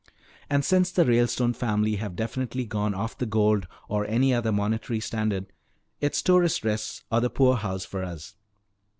"And since the Ralestone family have definitely gone off the gold or any other monetary standard, it's tourist rests or the poorhouse for us."